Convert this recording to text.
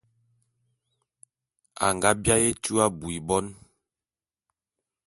A nga biaé etua abui bon.